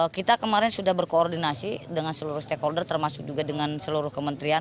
kita kemarin sudah berkoordinasi dengan seluruh stakeholder termasuk juga dengan seluruh kementerian